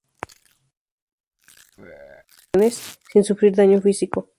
Es capaz de resistir grandes presiones sin sufrir daño físico.